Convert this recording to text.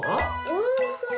おいしい。